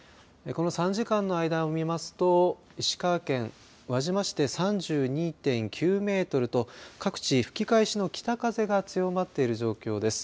この３時間の間を見ますと石川県輪島市で３２．９メートルと各地、吹き返しの北風が強まっている状況です。